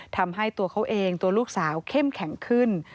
ทำให้ตัวเขาเองตัวลูกสาวเข้มแข็งขึ้น